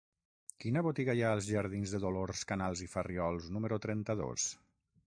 Quina botiga hi ha als jardins de Dolors Canals i Farriols número trenta-dos?